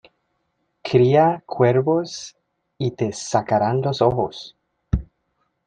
Cría cuervos y te sacaran los ojos.